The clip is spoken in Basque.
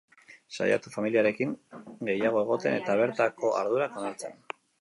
Saiatu familiarekin gehiago egoten, eta bertako ardurak onartzen.